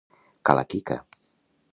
Ca la Quica.